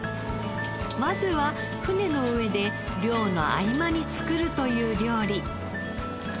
まずは船の上で漁の合間に作るという料理。